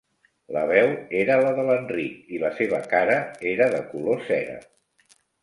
La veu era la de l'Enric i la seva cara era de color cera.